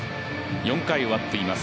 ４回終わっています